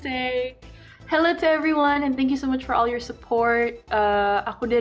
saya ingin mengucapkan halo kepada semua orang dan terima kasih banyak banyak atas semua dukungan kalian